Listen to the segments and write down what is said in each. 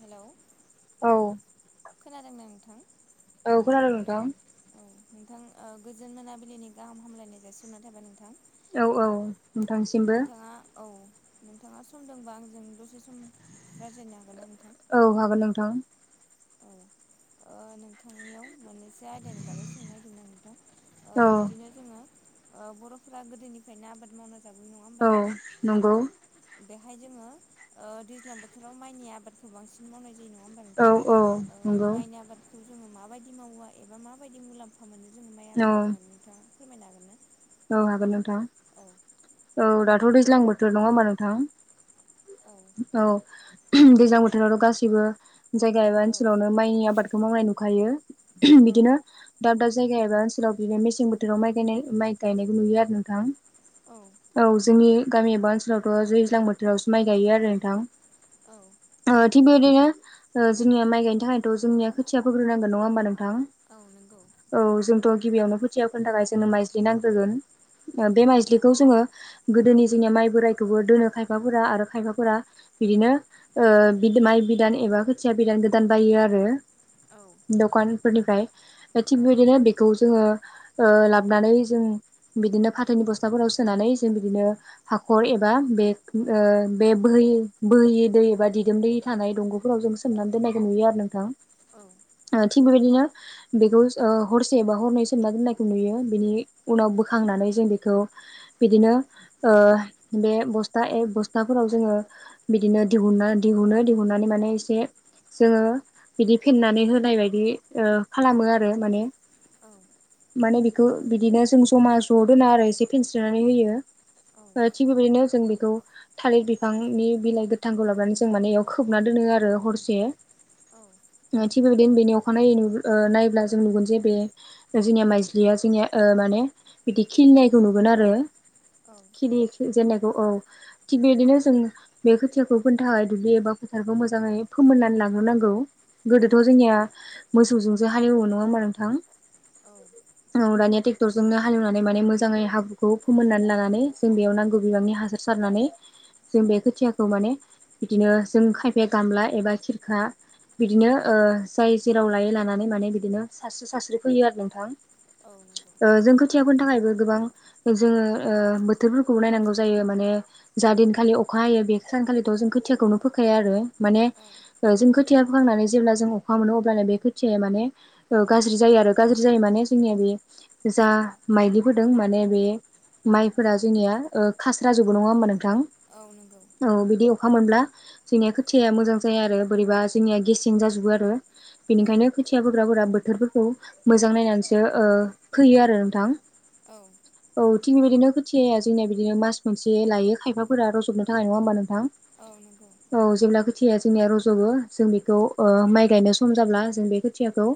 Hello औ खोनादों ना नोंथां? औ खोनादों नोंथां औ नोंथां ओ गोजोन मोनाबिलिनि गाहाम हामलायनाय जासिहरनाय थाबाय नोंथां औ औ नोंथांसिमबो नोंथाङा औ नोंथाङा सम दंबा आंजों दसे सम रायज्लायनो हागोन ना नोंथां औ हागोन नोंथां ओ नोंथांनियाव मोननैसो आयदानि बागै सोंनो नागिरदोंमोन आं नोंथां ओ औ बिदिनो जोङो बर'फोरा गोदोनिफ्रायनो आबाद मावनो मोजाबै नङा होमबा औ नोंथां नंगौ बेहाय जोङो दैज्लां बोथोराव माइनि आबादखौ बांसिन मावनाय जायो नङा होमबा औ नोंथां? औ नंगौ माइनि आबादखौ जोङो माबायदि मावा एबा माबायदि मुलाम्फा मोनो जोङो माइ औ आबाद मावनानैनो नोंथाङा फोरमायनो हागोन ना? औ हागोन नोंथाङ औ औ दाथ' दैज्लां बोथोर नङा होनबा नोंथां औ औ दैज्लां बोथोरावथ' गासैबो जायगा एबा औ ओनसोलावनो माइनि आबाद बेखौ मावनाय नुखायो बिदिनो दाब दाब जायगा एबा ओनसोलाव बिदिनो मेसें बोथोराव माइ गायनाय माइ गायनायखौ नुयो आरो नोंथां औ औ जोंनि गामि एबा ओनसोलावथ' दैज्लां बोथोरावसो माइ गायो आरो नोंथां औ थिग बेबायदिनो जोंनि माइ गायनो थाखायथ' जोंनिया खोथिया फोग्रोनांगोन नङा होमबा नोंथां औ नंगौ औ जोंथ' गिबियावनो खोथिया फोनो थाखाय जोंनो माइज्लि नांग्रोगोन बे औ माइज्लि खौ जोङो गोदोनि जोंनिया माइ बोरायखौबो दोनो खायफाफोरा आरो खायफाफोरा बिदिनो माइ बिदान एबा खोथिया बिदान गोदान बायो आरो औ दखानफोरनिफ्राय थिग औ बेबायदिनो बेखौ जोङो लाबोनानै जों बिदिनो फाथौनि बसथाफोराव सोनानै जों बिदिनो हाखर एबा बे बोहै बोहैयै दै एबा दिदोम दै थानाय दंग'फोराव जों सोमनानै दोननायखौ नुयो आरो नोंथां औ आ थिग बेबायदिनो बेखौ हरसेबा हरनै सोमना दोननायखौ नुयो बेनि उनाव बोखांनानै जों बेखौ बिदिनो बे बस्था बस्थाफोराव जोङो बिदिनो दिहुनना दिहुनो दिहुननानै माने एसे जोङो बिदि फेनानै होनाय बायदि खालामो आरो माने औ माने बेखौ बिदिनो जों ज'मा ज' दोना आरो एसे फेनस्रिनानै होयो थिग बेबायदिनो जों बेखौ थालिर बिफांनि बिलाइ गोथांखौ लाबानै जों माने बेयाव खोबना दोनो आरो हरसे औ थिग बेबायदिनो बेनि अखां नायै नायोब्ला जों नुगोन जे बे जोंनिया माइज्लिया जोंनिया माने बिदि खिलिनायखौ नुगोन आरो खिलि जेननायखौ औ थिग बेदिनो जों बे खोथियाखौ होनोनो थाखाय दुब्लि एबा फोथारखौ मोजाङै फोमोननानै लागोरोनांगौ गोदोथ' जोंनिया मोसौजोंसो हाल एवो नङा होमबा नोंथां औ औ दानिया ट्रेक्टर जोंनो हाल एवनानै माने मोजाङै हाब्रुखौ फोमोननानै लानानै जों बेयाव नांगौ बिबांनि हासार सारनानै जों बे खोथियाखौ माने बिदिनो जों खायफाया गामला एबा खिरखा बिदिनो ओ जाय जेराव लायो लानानै माने बिदिनो सास्रि सास्रि फोयो आरो नोंथां। औ नंगौ। ओ औ जों खोथिया फोनो थाखायबो गोबां जोङो ओ बोथोरफोरखौबो नायनांगौ जायो माने जा दिनखालि अखा हायो बे सानखालिथ' जों खोथियाखौनो फोखाया आरो माने ओ जों खोथिया फोखांनानै जेब्ला जों अखा मोनो अब्लानो बे खोथिया माने ओ गाज्रि जायो आरो गाज्रि जायो माने जोंनिया बे जा माइलि फोदों माने बे माइफोरा जोंनिया ओ खास्राजोबो नङा ओमबा नोंथां? औ नंगौ औ बिदि अखा मोनब्ला जोंनिया खोथिया मोजां जाया आरो बोरैबा जोंनिया गेसें जाजोबो आरो। बेनिखायनो औ खोथिया फोग्राफोरा बोथोरफोरखौ मोजां नायनानैसो ओ फोयो आरो नोंथां। औ औ थिग बेबायदिनो खोथिया जोंनिया बिदिनो मास मोनसे लायो खायफाफोरा रजबनो थाखाय नङा ओमबा नोंथां? औ नंगौ। औ जेब्ला खोथिया जोंनिया रज'बो जों बेखौ ओ माइ गायनो सम जाब्ला जों बे खोथियाखौ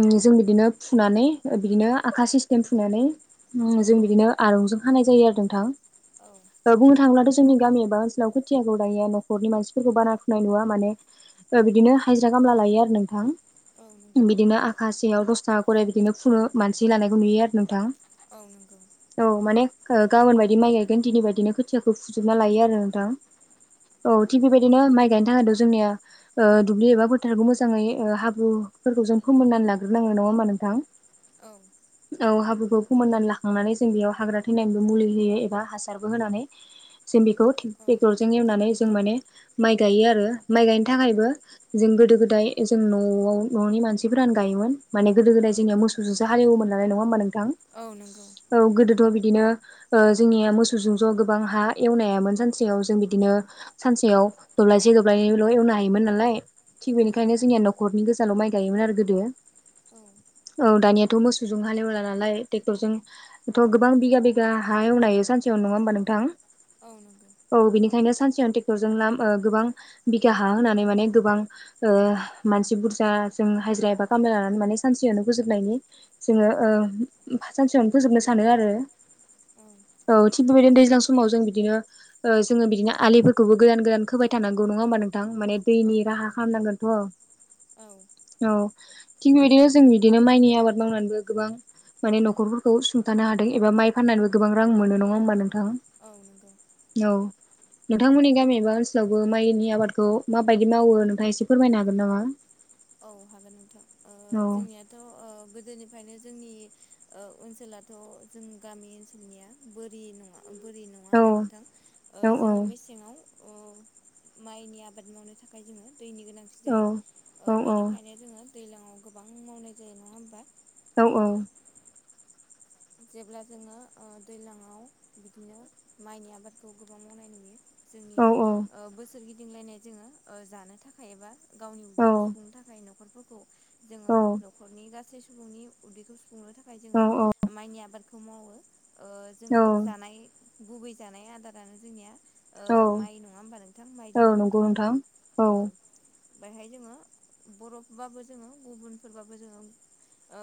उम जों बिदिनो फुनानै बिदिनो आखा सिस्टेम फुनानै जों बिदिनो आरंजों खानाय जायो आरो नोंथां। औ ओ बुंनो थाङोब्लाथ' जोंनि गामि एबा ओनसोलाव खोथियाखौ दायो नखरनि मानसिफोरखौ बारा फुनाय नुवा माने ओ बिदिनो हायजिरा कामला लायो आरो नोंथां। औ नंगौ बिदिनो आखासेयाव दसथाखा खरि बिदिनो फुनो मानसि लानायखौ नुयो आरो नोंथां। औ नंगौ। औ माने ओ गाबोन बायदि माइ गायगोन दिनै बायदिनो खोथियाखौ फुजोबना लायो आरो नोंथां। औ थिग बेबायदिनो माइ गायनो थाखायनोथ' जोंनिया ओ दुब्लि एबा फोथारखौ मोजाङै ओ हाब्रुफोरखौ जों फोमोननानै लाग्रोनांगोन नङा ओमबा नोंथां? औ औ हाब्रुखौ फोमोननानै लाखांनानै जों बेयाव हाग्रा थैनानिबो मुलि होयो एबा हासारबो होनानै जों बेखौ औ ट्रेक्टरजों एवनानै जों माने माइ गायो आरो माइ गायनो थाखायबो जों गोदो गोदाय जों न'वाव न'नि मानसिफोरानो गायोमोन माने गोदो गोदाय जोंनिया मोसौजों [unintelligible] जों हाल एवयोमोन नालाय नङा ओमबा नोंथां? औ नंगौ औ गोदोथ' बिदिनो ओ जोंनिया मोसौजों ज' गोबां हा एवनो हायामोन सानसेयाव जों बिदिनो सानसेयाव दब्लायसे दब्लायनैल' एवनो हायोमोन नालाय थिग औ बेनिखायनो जोंनिया नखरनि गोजानाव माइ गायोमोन आरो गोदो औ दानिया थ' मोसौजों हाल एवला नालाय ट्रेक्टरजों थ' गोबां बिगा बिगा हा एवनाय हायो सानसेयावनो नङा ओमबा नोंथां? औ नंगौ। औ बिनिखायनो सानसेयावनो ट्रेक्टरजों नाम गोबां बिगा हा होनानै माने गोबां ओ मानसि बुरजा जों हाजिरा एबा खामाला लानानै माने सानसेयावनो फोजोबनायनि जोङो औ ओ सानसेयावनो फोजोबनो सानो आरो। औ औ थिग बेबायदिनो दैज्लां समाव जों बिदिनो ओ जोङो बिदिनो आलिफोरखौबो गोदान गोदान खोबाय थानांगौ नङा ओमबा नोंथां माने औ दैनि राहा नंगौ खामनांगोनथ' औ थिग बेबायदिनो जों बिदिनो माइनि आबाद मावनानैबो गोबां माने न'खरफोरखौ सुंथानो हादों एबा माइ फाननानैबो गोबां रां मोनो नङा होमबा नोंथां औ नंगौ औ नोंथांमोननि गामि एबा ओनसोलावबो माइनि आबादखौ माबायदि मावो नोंथाङा एसे फोरमायनो हागोन नामा औ हागोन नोंथां औ जोंनिया थ' गोदोनिफ्रायनो जोंनि ओनसोलाथ' जों गामि ओनसोलनिया बोरि नङा बोरि नङा औ होमबा नोंथां औ औ जोङो मेसेङाव अ माइनि आबाद मावनो थाखाय जोङो दैनि गोनांथि औ जायो औ बिदिनो जोङो दैज्लाङाव गोबां मावनाय जायो नङा होमबा औ औ ओ जेब्ला जोङो दैलाङाव बिदिनो माइनि आबादखौ गोबां मावनाय नुयो जोंनि औ बोसोर गिदिंलायनाय जोङो जानो थाखाय एबा गावनि उदैखौ सुफुंनो थाखाय न'खरफोरखौ जोङो न'खरनि गासै सुबुंनि उदैखौ सुफुंनो थाखाय जोङो माइनि आबादखौ मावो औ जोङो जानाय गुबै जानाय आदारानो जोंनिया औ माइ नङा होमबा नोंथां औ माइदोनो नंगौ ओंखाम नोंथां औ बेहाय जोङो बर'फोरबाबो जोङो गुबुनफोरबाबो जोङो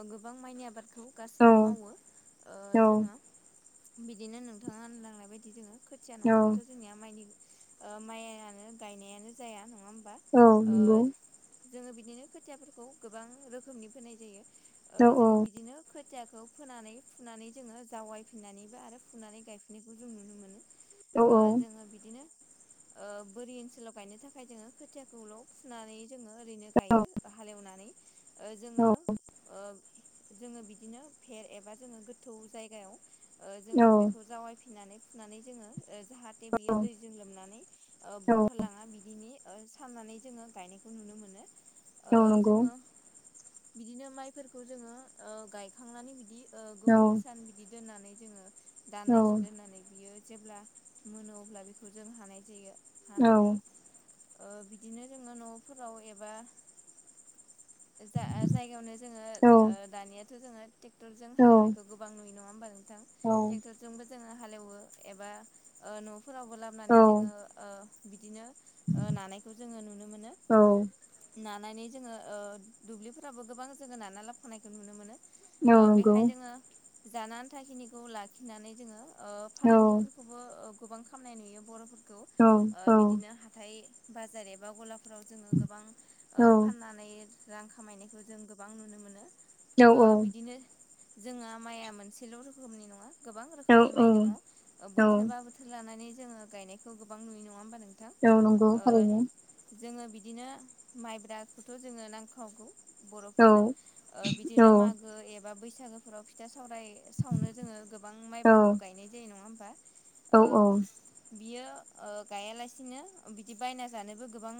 गोबां माइनि आबादखौ औ गासैबो मावो औ जोङो बिदिनो नोंथाङा होनलांनाय बायदि जोङो खोथिया औ नङाबाथ' जोंनिया माइनि माइआनो गायनायानो जाया नङा होमबा औ नंगौ जोङो बिदिनो खोथियाफोरखौ गोबां रोखोमनि फोनाय जायो औ औ जोङो बिदिनो खोथियाखौ फोनानै फुनानै जोङो जावायफिननानैबो आरो फुनानै गायफिननायखौ जों नुनो मोनो औ जोङो बिदिनो बोरि ओनसोलाव गायनो थाखाय जोङो खोथियाखौल' फुनानै जोङो ओरैनो गायो हालेवनानै जोङो जोङो बिदिनो भेर एबा जोङो गोथौ जायगायाव औ जोङो बेखौ जावायफिननानै फुनानै जोङो जाहा थे बियो दैजों लोमनानै औ बुखारलाङा बिदिनि साननानै जोङो गायनायखौ नुनो मोनो औ नंगौ जोङो बिदिनो माइफोरखौ जोङो गायखांनानै बिदि औ गोबाव सान बि बिदि दोननानै जोङो औ दानैसो दोननानै बियो जेब्ला मोनो अब्ला बेखौ जों हानाय जायो हानानै बिदिनो जोङो न'फोराव एबा जा जायगायावनो जोङो औ दानियाथ' जोङो ट्रेक्टरजों औ हालेवनायखौ गोबां नुयो नङा होमबा नोंथां ट्रेक्टरजोंबो जोङो हालेवो एबा न'फोरावबो लाबोनानै जोङो औ बिदिनो नानायखौ जोङो नुनो मोनो नंगौ नानानै जोङो दुब्लिफोराबो गोबां जोङो नाना लाबखानायखौ नुनो मोनो बेहाय जोङो जानो आनथाखिनिखौ लाखिनानै जोङो फालांगिफोर खौबो गोबां खामनाय नुयो बर'फोरखौ औ औ औ बिदिनो हाथाइ बाजार एबा गला फोराव जोङो गोबां औ फाननानै रां खामायनायखौ जों गोबां नुनो मोनो औ बिदिनो जोंहा माइआ मोनसेल' रोखोमनि नङा गोबां औ रोखोमनि माइ दङ औ बोथोर बा बोथोर लानानै जोङो गायनायखौ गोबां नुयो नङा होमबा नों थां नंगौ थारैनो जोङो बिदिनो माइब्राखौथ' जोङो नांखागौ औ बर'फोरनो औ बिदिनो मागो ए बा बैसागोफोराव फिथा सावराय सावनो जोङो गोबां औ माइब्राखौ गायनाय जायो नङा होमबा औ ओ बियो गायालासिनो बिदि बायना जानोबो गोबां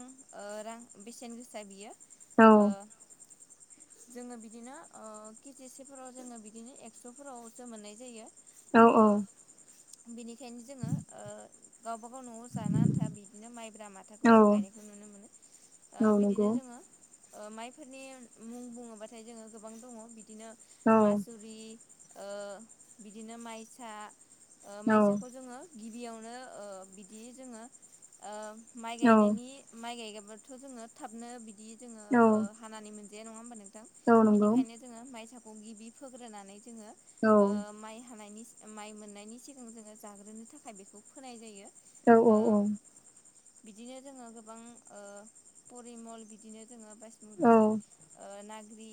रां बेसेन गोसा बियो औ ओ जोङो बिदिनो ओ के जि सेफोराव जोङो बिदिनो एक्स'फोरावसो मोननाय जायो। औ ओ बिनिखायनो जोङो ओ गावबागाव न'आव जानो आन्था बिदिनो माइब्रा माथाखौ औ जों गायनायखौ नुनो मोनो। ओ बिदिनो नंगौ जोङो ओ माइफोरनि मुं बुङोबाथाय जोङो गोबां दङ' बिदिनो औ औ मासुरि ओ बिदिनो माइसा ओ माइसाखौ जोङो गिबियावनो ओ बिदि जोङो ओ माइ औ गायनायनि माइ गायगाबाथ' जोङो थाबनो बिदि जोङो ओ औ। हानानै मोनजाया नङा होमबा नोंथां नंगौ औ नंगौ बिनिखायनो जोङो माइसाखौ गिबि फोग्रोनानै जोङो औ ओ माइ हानायनि माइ मोननायनि सिगां जोङो जाग्रोनो थाखाय बेखौ फोनाय जायो। औ औ ओ नंगौ औ बिदिनो जोङो गोबां ओ परिमल बि बिदिनो जोङो बाइसमुति ओ नाग्रि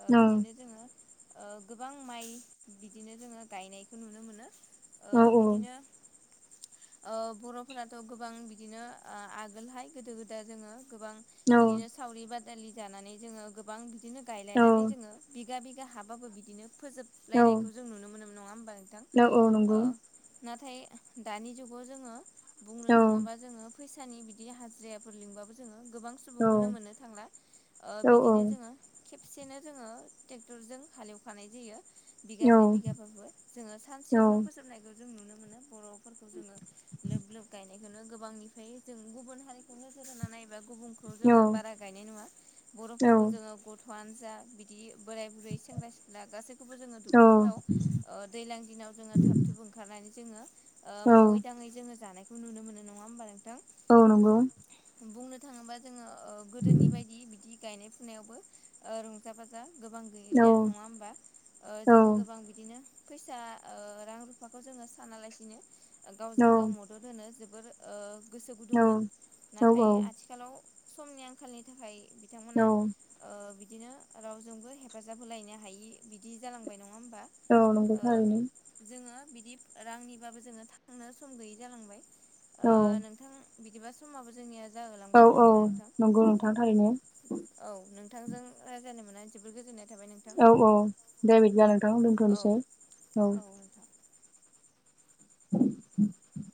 ओ बिदिनो जोङो ओ गोबां माइ बिदिनो जोङो गायनायखौ नुनो मोनो। ओ बिदिनो ओ बर'फोराथ' गोबां बिदिनो ओ आगोलहाय गोदो गोदाय जोङो गोबां बिदिनो सावरि बादालि जानानै जोङो गोबां बिदिनो गायलायनानै जोङो बिगा बि गा हाबाबो बिदिनो फोजोबलायनायखौ जों नुनो मोनोमोन नङा होमबा नोंथां ओ नाथाय दानि जुगाव जोङो बुंनो थाङोबा जोङो फैसानि बिदि हाजिरायाफोर लिंबाबो जोङो गोबां सुबुंखौनो मोननो थांला ओ बिदिनो जोङो खेबसेनो जोङो ट्रेक्टरजों हाले एवखानाय जायो। बिगाब्रै बिगाबाबो जोङो सानसेयावनो फोजोबनायखौ जों नुनो मोनो बर' फोरखौ जोङो लोब लोब गायनायखौनो गोबांनिफ्राय जों गुबुन हारिखौ नोजोर होनानै नायोबा गुबुन खौ जोङो बारा गायनाय नुवा बर'फोरखौ जोङो गथ' वानो जा बिदि बोराय-बुरै सेंग्रा-सिख्ला गासैखौबो जोङो दुब्लिफोराव ओ दैज्लां दिनाव जोङो थाब-थुब ओंखारनानै जोङो ओ मावै-दाङै जोङो जानाय खौ नुनो मोनो नङा होमबा नोंथां। औ नंगौ। बुंनो थाङोबा जोङो ओ गोदोनि बायदि बिदि गायनाय फुनायावबो ओ रंजा बाजा गोबां गैलिया नङा होमबा ओ जोङो गोबां बिदिनो फैसा ओ रां-रुफाखौ जोङो सानालासिनो ओ गावजों गाव मदद होनो जोबोर ओ गोसो गुदुंमोन औ नाथाय औ आथिखालाव समनि आं आंखालनि थाखाय औ बिथांमोना ओ बिदिनो रावजोंबो हेफाजाब होलायनो हायि बिदि जालांबाय नङा होमबा। औ नंगौ ओ थारैनो। जोङो बिदि रांनिबाबो जोङो थांनो सम गैयै जालांबाय ओ औ नोंथां बिदिबा समाबो जोंनिया औ जाहोलांबाय नङा औ होमबा नोंथां नंगौ नोंथां थारैनो। औ नोंथांजों रायज्लायनो मोनना जोबोद गोजोननाय थाबाय नोंथां औ औ दे बिदिब्ला नोंथां औ दोनथ'नोसै औ। [inaudible]